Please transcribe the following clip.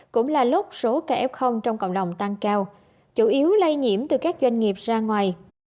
cũng là lúc số ca f trong cộng đồng tăng cao chủ yếu lây nhiễm từ các doanh nghiệp ra ngoài